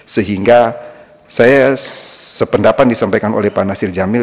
sehingga saya sependapat disampaikan oleh pak nasir jamil